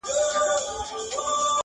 عشق مي خوی عشق مي مسلک عشق مي عمل دی٫